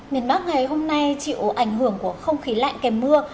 miền bắc ngày hôm nay chịu ảnh hưởng của không khí lạnh kèm mưa